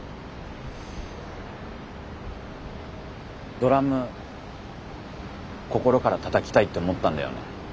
ドラム心からたたきたいって思ったんだよね。